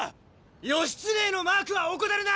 義経へのマークは怠るな！